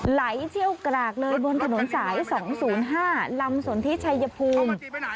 ไหลเชี่ยวกรากเลยบนถนนสาย๒๐๕ลำสนทิชัยภูมิ